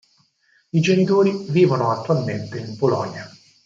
I genitori vivono attualmente in Polonia.